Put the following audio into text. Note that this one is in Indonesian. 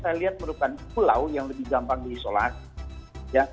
saya lihat merupakan pulau yang lebih gampang diisolasi